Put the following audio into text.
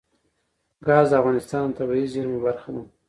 ګاز د افغانستان د طبیعي زیرمو برخه ده.